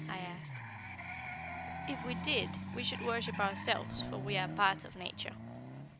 I asked. "If we did, we should worship ourselves, for we are a part of Nature."